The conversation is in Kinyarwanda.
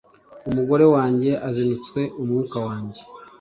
umugore wanjye azinutswe umwuka wanjye